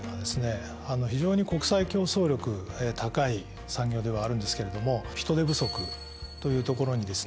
非常に国際競争力高い産業ではあるんですけれども人手不足というところにですね